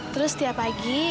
terus tiap pagi